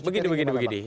begini begini begini